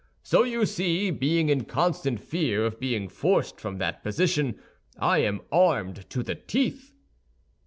So you see, being in constant fear of being forced from that position, I am armed to the teeth."